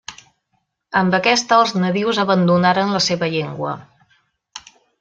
Amb aquesta els nadius abandonaren la seva llengua.